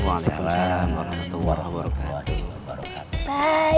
waalaikumsalam warahmatullahi wabarakatuh